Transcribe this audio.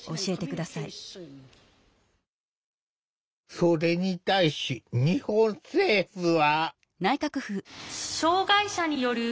それに対し日本政府は。